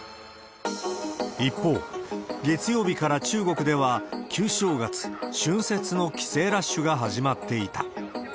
一方、月曜日から中国では、旧正月、春節の帰省ラッシュが始まっていた。